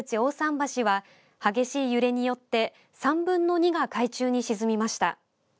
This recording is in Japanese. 橋は激しい揺れによって３分の２が海中に沈みました。